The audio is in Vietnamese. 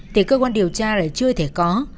thì cơ quan điều tra lại chưa thể có